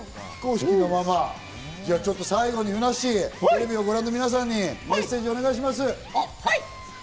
最後にふなっしー、テレビをご覧の皆さんにメッセージをお願いします。